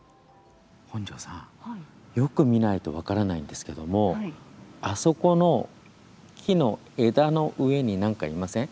本庄さん、よく見ないと分からないんですけどもあそこの木の枝の上になんかいません？